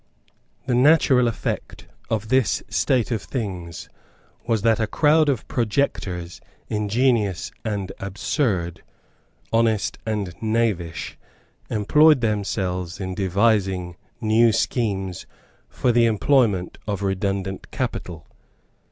The natural effect of this state of things was that a crowd of projectors, ingenious and absurd, honest and knavish, employed themselves in devising new schemes for the employment of redundant capital.